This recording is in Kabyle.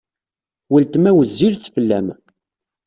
Weltma wezzilet fell-am.